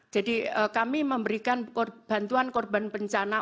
jadi kami memberikan bantuan korban bencana